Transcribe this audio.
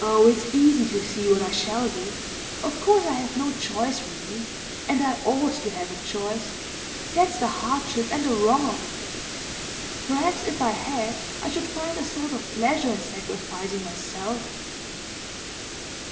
'Oh, it's easy to see what I shall do. Of course I have no choice really. And I ought to have a choice; that's the hardship and the wrong of it. Perhaps if I had, I should find a sort of pleasure in sacrificing myself.